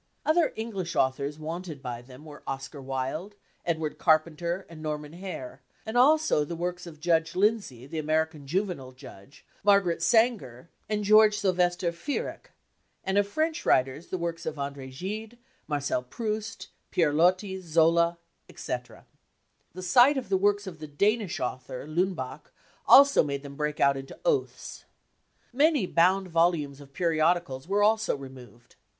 Other English authors wanted by them were Oscar Wilde, Edward Carpenter, and Norman Haire ; and also the works of Judge Lindsay, the Ameri can juvenile judge, Margaret Sanger, and George Silvester Viereck ; and of French writers, the works of Andre Gide, Marcel Proust, Pierre Loti, Zola, etc. The sight of the works of the Danish doctor Leunbach also made them break out into oaths. Many bound volumes of periodicals were also removed.